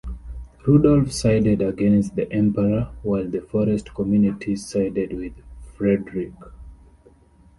Rudolf sided against the Emperor, while the forest communities sided with Frederick.